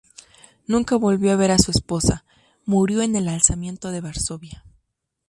Nunca volvió a ver a su esposa; murió en el Alzamiento de Varsovia.